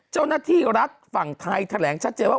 เจ้าหน้าที่รัฐฝั่งไทยแถลงชัดเจนว่า